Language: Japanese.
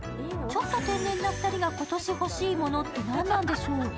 ちょっと天然な２人が今年欲しいものって何なんでしょう。